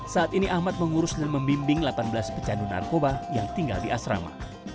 saat ini ahmad mengurus dan membimbing delapan belas pecandu narkoba yang tinggal di asrama